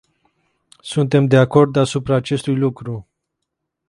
Suntem de acord asupra acestui lucru.